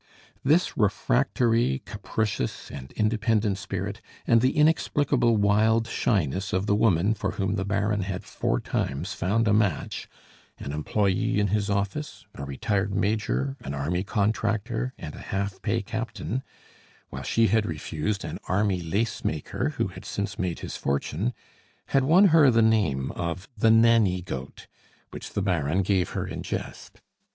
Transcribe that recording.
This refractory, capricious, and independent spirit, and the inexplicable wild shyness of the woman for whom the Baron had four times found a match an employe in his office, a retired major, an army contractor, and a half pay captain while she had refused an army lacemaker, who had since made his fortune, had won her the name of the Nanny Goat, which the Baron gave her in jest.